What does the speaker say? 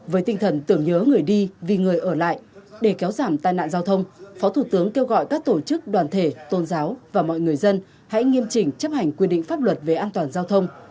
với tinh thần tưởng nhớ người đi vì người ở lại để kéo giảm tai nạn giao thông phó thủ tướng kêu gọi các tổ chức đoàn thể tôn giáo và mọi người dân hãy nghiêm chỉnh chấp hành quy định pháp luật về an toàn giao thông